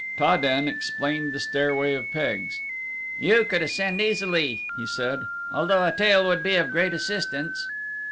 Ta den explained the stairway of pegs. "You could ascend easily," he said, "although a tail would be of great assistance."